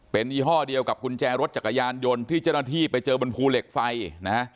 เป็นยี่ห้อเดียวกับกุญแจรถจักรยานยนต์ที่เจ้าหน้าที่ไปเจอบนภูเหล็กไฟนะฮะ